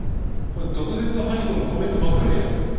これ毒舌ハリコのコメントばっかりじゃない。